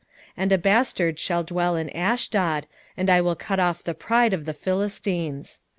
9:6 And a bastard shall dwell in Ashdod, and I will cut off the pride of the Philistines.